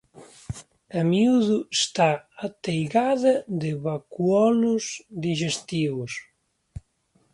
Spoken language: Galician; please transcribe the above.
A miúdo está ateigada de vacúolos dixestivos.